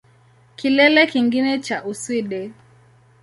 Kilele kingine cha Uswidi